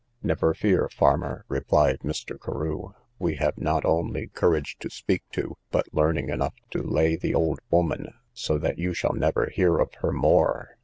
Never fear, farmer, replied Mr. Carew; we have not only courage to speak to, but learning enough to lay, the old woman, so that you shall never hear of her more.